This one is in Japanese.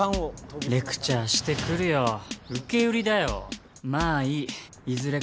レクチャーしてくるよ受け売まあいいいずれ